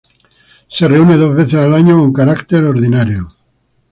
Se reúne dos veces al año con carácter ordinario.